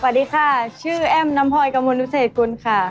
สวัสดีค่ะชื่อแอมน้ำพ่ออิกามุณรุษเศษกุณค่ะ